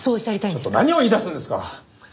ちょっと何を言い出すんですか！